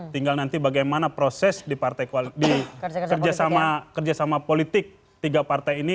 tinggal nanti bagaimana proses di kerjasama politik tiga partai ini